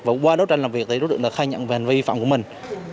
đã khai nhận về hành vi phạm của mình